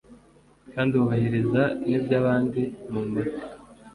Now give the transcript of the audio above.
kandi wubahiriza n'iby'abandi mu mpaka.